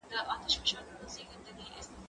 هغه څوک چي کالي وچوي منظم وي؟!